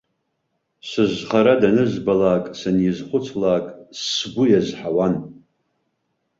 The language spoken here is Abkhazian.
Сызхара данызбалак, санизхәыцлак, сгәы иазҳауан.